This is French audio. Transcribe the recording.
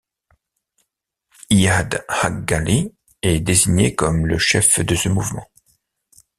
Iyad Ag Ghali est désigné comme le chef de ce mouvement.